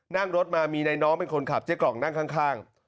นั่งรถมามีในน้องเป็นคนขับเจ๊กล่องนั่งข้าง